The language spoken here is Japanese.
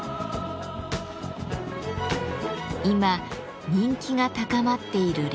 今人気が高まっているレコード。